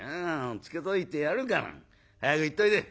つけといてやるから。早く行っといで」。